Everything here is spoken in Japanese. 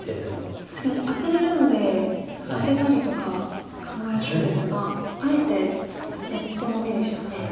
確かにアテれるのでアテたりとか考えそうですがあえてじっとノビでしたね。